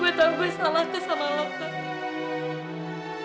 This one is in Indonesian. gue tau gue salah sama lo kak